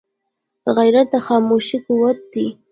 غیرت د خاموشۍ قوت دی